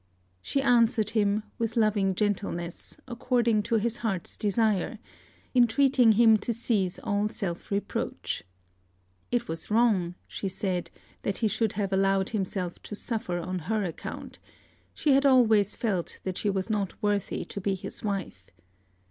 She answered him, with loving gentleness, according to his heart's desire, entreating him to cease all self reproach. It was wrong, she said, that he should have allowed himself to suffer on her account: she had always felt that she was not worthy to be his wife.